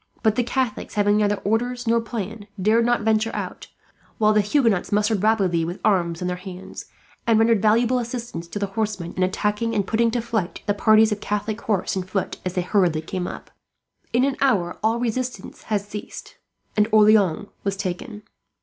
But the Catholics, having neither orders nor plan, dared not venture out; while the Huguenots mustered rapidly, with arms in their hands; and rendered valuable assistance to the horsemen, in attacking and putting to flight the parties of Catholic horse and foot, as they came hurriedly up. In an hour all resistance had ceased and Orleans was taken.